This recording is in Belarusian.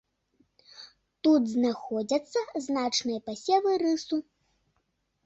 Тут знаходзяцца значныя пасевы рысу.